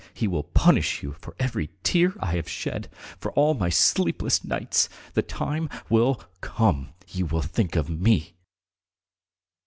He will punish you for every tear I have shed, for all my sleepless nights! The time will come; you will think of me!